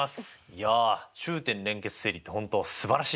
いや中点連結定理って本当すばらしいですね。